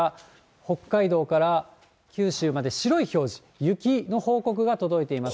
北海道から九州まで白い表示、雪の報告が届いています。